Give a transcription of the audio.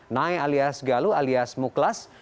nay alias galuh alias muklas